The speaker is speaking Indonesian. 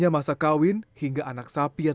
re bumps dan miras juga peduli ribu ini